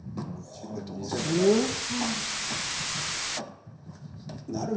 これどうする？